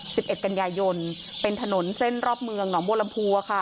ศิริเอสกัญญา๒๐๐๗เป็นถนนเส้นรอบเมืองหนองโบรมภู